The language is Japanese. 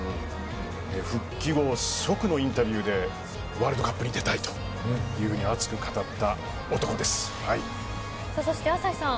復帰後、即のインタビューでワールドカップに出たいというふうにそして朝日さん